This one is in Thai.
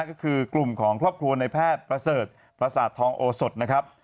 ก็คือกลุ่มของครอบครัวในแพทย์ประเสริฐประสาททองโอสดนะครับ